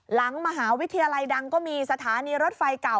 หลังมหาวิทยาลัยดังก็มีสถานีรถไฟเก่า